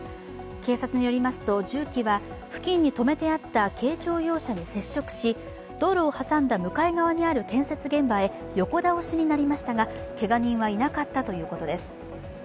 警察によりますと重機は付近に止めてあった軽乗用車に接触し、道路を挟んだ向かい側にある建設現場へ横倒しになりましたがけが人はいなかったということです。